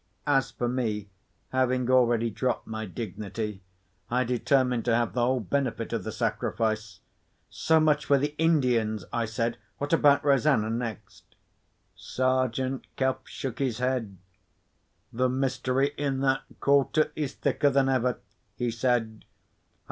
As for me, having already dropped my dignity, I determined to have the whole benefit of the sacrifice. "So much for the Indians," I said. "What about Rosanna next?" Sergeant Cuff shook his head. "The mystery in that quarter is thicker than ever," he said.